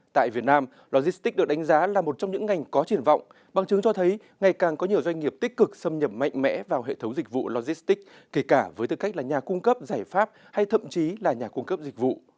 tại việt nam logistics được đánh giá là một trong những ngành có triển vọng bằng chứng cho thấy ngày càng có nhiều doanh nghiệp tích cực xâm nhập mạnh mẽ vào hệ thống dịch vụ logistics kể cả với tư cách là nhà cung cấp giải pháp hay thậm chí là nhà cung cấp dịch vụ